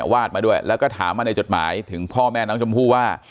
วาดมาด้วยแล้วก็ถามมาในจดหมายถึงพ่อแม่น้องชมพู่ว่า